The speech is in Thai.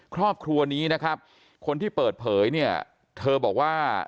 ครอบครัวนี้นะครับคนที่เปิดเผยเนี่ยเธอบอกว่า